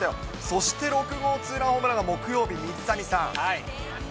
そして６号ツーランホームランが木曜日、水谷さん。